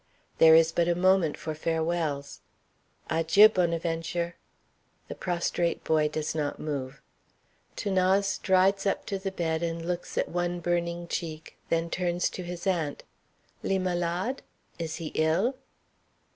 There is but a moment for farewells. "Adjieu, Bonaventure." The prostrate boy does not move. 'Thanase strides up to the bed and looks at one burning cheek, then turns to his aunt. "Li malade?" "Is he ill?"